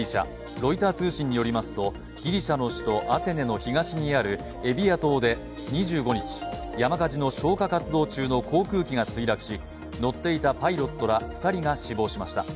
ロイター通信によりますと、ギリシャの首都・アテネの東にあるエビア島で山火事の消火活動中の航空機が墜落し乗っていたパイロットら２人が死亡しました。